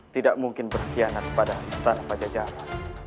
tidak mungkin bersihana kepada nama nama pancajaran